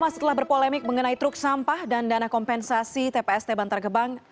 setelah berpolemik mengenai truk sampah dan dana kompensasi tpst bantar gebang